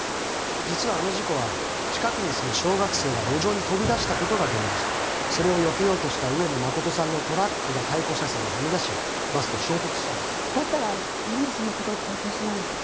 実はあの事故は近くに住む小学生が路上に飛び出したことが原因でしたそれをよけようとした上野誠さんのトラックが対向車線にはみ出しバスと衝突したんですだったら何でそのことを公表しないんですか？